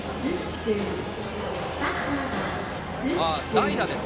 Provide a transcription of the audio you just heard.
代打です。